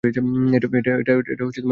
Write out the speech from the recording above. এটা কেন হলো?